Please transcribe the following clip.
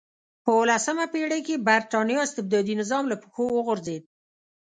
په اولسمه پېړۍ کې برېټانیا استبدادي نظام له پښو وغورځېد.